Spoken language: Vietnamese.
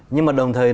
nhưng mà đồng thời